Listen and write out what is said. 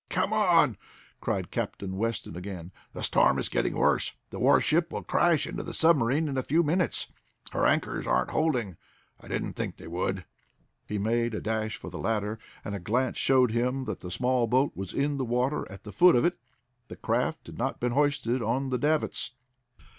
"Come on!" cried Captain Weston again. "The storm is getting worse. The warship will crash into the submarine in a few minutes. Her anchors aren't holding. I didn't think they would." He made a dash for the ladder, and a glance showed him that the small boat was in the water at the foot of it. The craft had not been hoisted on the davits.